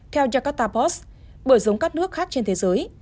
theo jakarta post bởi giống các nước khác trên thế giới